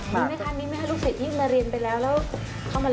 มีไหมคะลูกศักดิ์ที่มาเรียนไปแล้ว